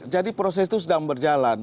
jadi proses itu sedang berjalan